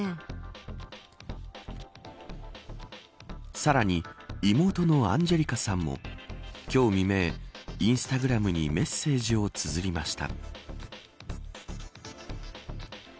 さらに妹のアンジェリカさんも今日未明インスタグラムにメッセージをつづりました。